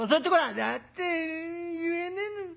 「だって言えねえんだ」。